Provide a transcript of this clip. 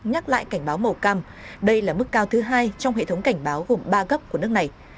nhắc lại cảnh báo màu cam đây là mức cao thứ hai trong hệ thống cảnh báo gồm ba gấp của nước này